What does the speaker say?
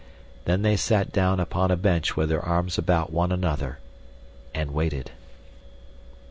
Then they sat down upon a bench with their arms about one another, and waited.